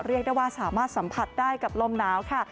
เรียกได้ว่าสามารถสัมผัสได้กับลมหนาวค่ะ